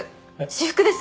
私服です。